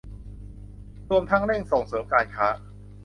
รวมทั้งเร่งส่งเสริมการค้า